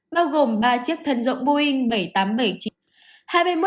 bao gồm ba chiếc thân rộng boeing bảy trăm tám mươi bảy